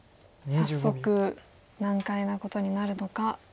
早速難解なことになるのか。